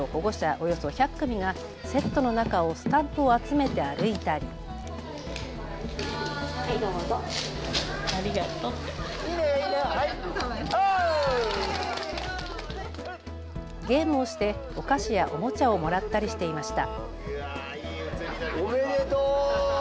およそ１００組がセットの中をスタンプを集めて歩いたり、ゲームをしてお菓子やおもちゃをもらったりしていました。